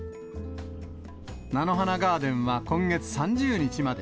菜の花ガーデンは今月３０日まで。